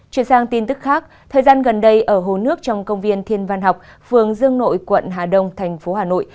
chuyển sang tin tức khác thời gian gần đây ở hồ nước trong công viên thiên văn học phường dương nội quận hà đông thành phố hà nội